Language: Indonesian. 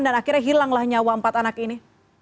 dan akhirnya hilanglah nyawa empat anak ini